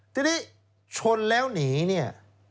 ทีนี้ชนแล้วหนีเนี่ย